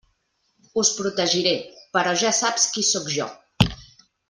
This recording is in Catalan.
Us protegiré, però ja saps qui sóc jo.